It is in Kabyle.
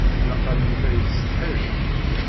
Naqal yella yettsetḥi.